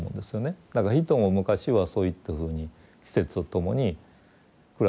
だから人も昔はそういったふうに季節とともに暮らしていたと。